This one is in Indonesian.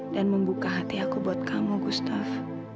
membuka hati aku buat kamu gustaf